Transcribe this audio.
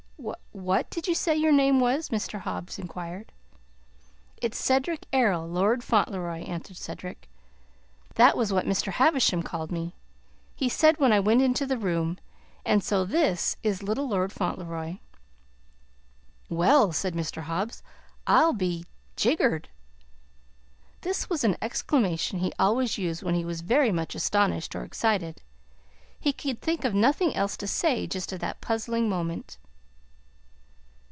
"Wha what did you say your name was?" Mr. Hobbs inquired. "It's Cedric Errol, Lord Fauntleroy," answered Cedric. "That was what Mr. Havisham called me. He said when I went into the room: 'And so this is little Lord Fauntleroy!'" "Well," said Mr. Hobbs, "I'll be jiggered!" This was an exclamation he always used when he was very much astonished or excited. He could think of nothing else to say just at that puzzling moment.